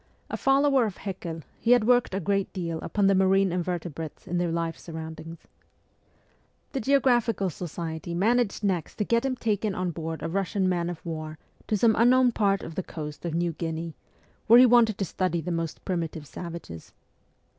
A follower of Haeckel, he had worked a great deal upon the marine invertebrates in their life surroundings. The Geographical Society managed next to get him taken on board a Eussian man of war to some ST. PETERSBURG 9 unknown part of the coast of New Guinea, where he wanted to study the most primitive savages.